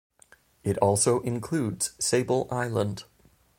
It also includes Sable Island.